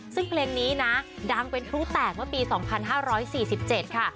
ซึ่งเพลงนี้นะดังเป็นครูแต่งว่าปี๒๕๔๗ค่ะ